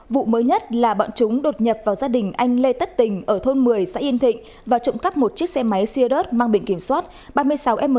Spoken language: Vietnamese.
vụ mới nhất là bọn chúng đột nhập vào gia đình anh lê tất tình ở thôn một mươi xã yên thịnh và trộm cắp một chiếc xe máy siêu đớt mang bệnh kiểm soát ba mươi sáu m bốn mươi bốn nghìn chín trăm bảy mươi sáu